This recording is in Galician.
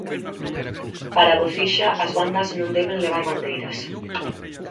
Para Bocixa "as bandas non deben levar bandeiras".